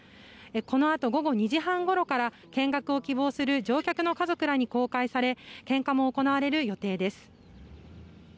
このあと午後２時半ごろから見学を希望する乗客の家族らに公開され献花も行われる予定です。